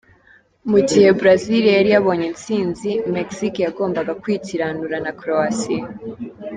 Mu gihe Brazil yari yabonye intsinzi, Mexique yagombaga kwikiranura na Croatia.